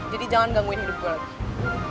jadi jangan gangguin hidup gue lagi